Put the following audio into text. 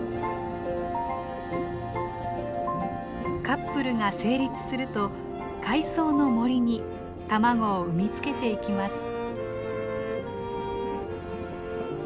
カップルが成立すると海藻の森に卵を産み付けていきます。